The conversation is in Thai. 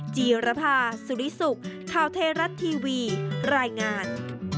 จีรภาสุริสุขข่าวไทยรัฐทีวีรายงาน